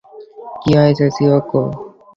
কী হয়েছে, চিয়োকো?